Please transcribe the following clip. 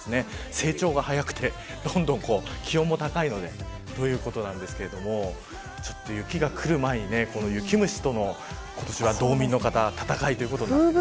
成長が早くてどんどん気温も高いのでということですが雪がくる前に、雪虫との道民の方戦いということになってきます。